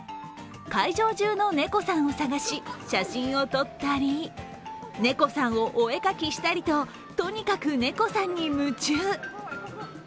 会場中のねこさんを探し写真を撮ったりねこさんをお絵描きしたりととにかく、ねこさんに夢中。